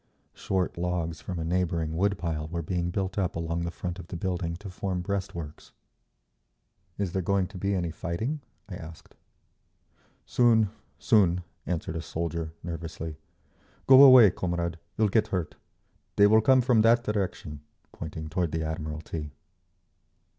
Short logs from a neighbouring wood pile were being built up along the front of the building to form breastworks…. "Is there going to be any fighting?" I asked. "Soon, soon," answered a soldier, nervously. "Go away, comrade, you'll get hurt. They will come from that direction," pointing toward the Admiralty.